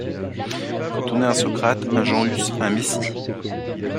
Quand on est un Socrate, un Jean Huss, un Messie !